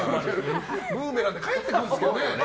ブーメランで返ってくるんですけどね。